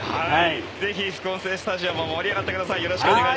ぜひ、副音声スタジオも盛り上がってください。